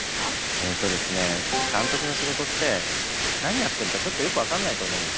えっとですね監督の仕事って何やってるかちょっとよく分かんないと思うんですよ。